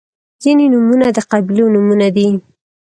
• ځینې نومونه د قبیلو نومونه دي.